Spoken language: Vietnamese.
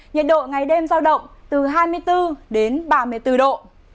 nhiệt độ ngày đêm giao động từ hai mươi bốn đến ba mươi bốn độ